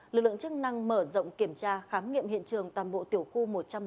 lực lượng chức năng mở rộng kiểm tra khám nghiệm hiện trường toàn bộ tiểu khu một trăm năm mươi